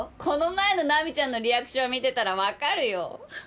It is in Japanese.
この前の奈未ちゃんのリアクション見てたら分かるよ